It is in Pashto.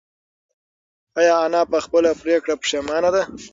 ایا انا په خپله پرېکړه پښېمانه ده؟